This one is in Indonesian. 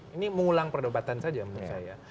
ini mengulang perdebatan saja menurut saya